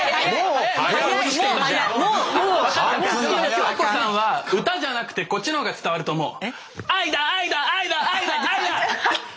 京子さんは歌じゃなくてこっちの方が伝わると思う。